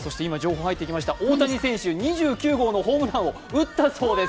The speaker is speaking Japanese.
そして大谷選手２９号ホームランを打ったそうです